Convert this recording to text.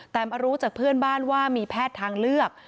แต่มารู้จากเพื่อนบ้านว่ามีแพทย์ทางเลือก